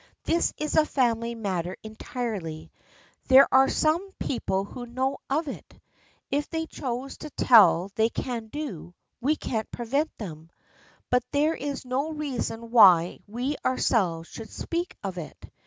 This is a family matter entirely. There are some peo ple who know of it. If they choose to tell they can do so ; we can't prevent them. But there is no reason why we ourselves should speak of it.